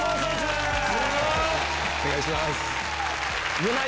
お願いします。